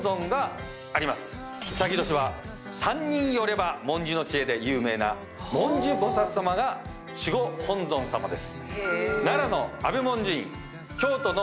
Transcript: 卯年は三人寄れば文殊の知恵で有名な文殊菩薩様が守護本尊様です。